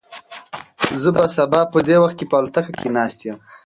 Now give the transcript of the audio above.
زه به سبا په دې وخت کې په الوتکه کې ناست یم.